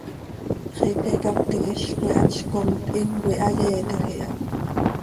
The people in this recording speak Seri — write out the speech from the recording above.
Xiica icacötim hizcoi hatzcoomt, himcoi hayeetaj iha.